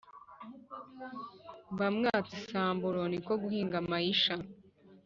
mba mwatse isamburo niko guhiga mayisha